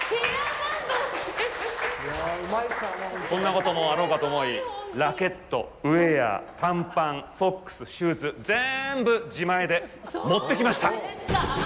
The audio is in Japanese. こんなこともあろうかと思い、ラケット、ウエア、短パン、ソックス、シューズ、ぜんぶ自前で持ってきました！